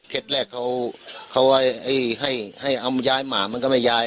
เท็จแรกเขาเขาว่าเอ้ยให้ให้ให้เอามาย้ายหมามันก็ไม่ย้าย